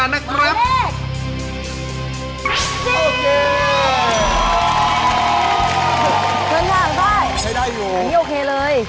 อันนี้โอเคเลย